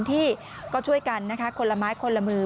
ที่ก็ช่วยกันนะคะคนละไม้คนละมือ